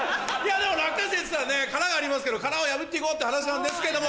でも落花生っつったらね殻がありますけど殻を破っていこうって話なんですけども。